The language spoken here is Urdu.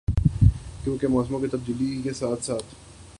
کیونکہ موسموں کی تبدیلی کے ساتھ ساتھ